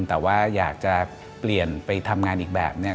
แต่ว่าอยากจะเปลี่ยนไปทำงานอีกแบบนึง